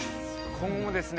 今後もですね